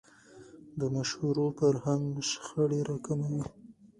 د مشورو فرهنګ شخړې راکموي